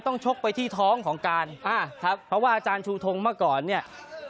ต้องโชคไปที่ท้องของการเพราะว่าจารย์ชูทงมาก่อนเนี่ย